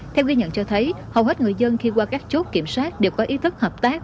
theo ghi nhận cho thấy hầu hết người dân khi qua các chốt kiểm soát đều có ý thức hợp tác